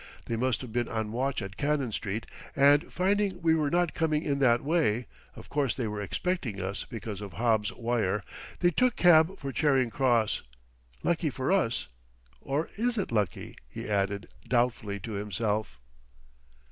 They must've been on watch at Cannon Street, and finding we were not coming in that way of course they were expecting us because of Hobbs' wire they took cab for Charing Cross. Lucky for us.... Or is it lucky?" he added doubtfully, to himself.